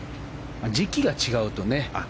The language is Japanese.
時期が違うとね。